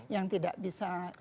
yang tidak bisa